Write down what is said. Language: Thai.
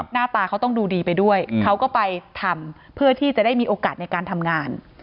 หน้าตาเขาต้องดูดีไปด้วยเขาก็ไปทำเพื่อที่จะได้มีโอกาสในการทำงาน